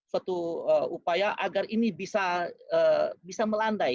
suatu upaya agar ini bisa melandai